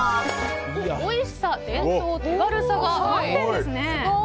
おいしさ、伝統、手軽さが満点ですね。